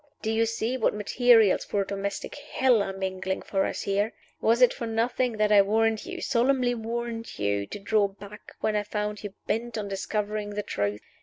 Do you see what materials for a domestic hell are mingling for us here? Was it for nothing that I warned you, solemnly warned you, to draw back, when I found you bent on discovering the truth?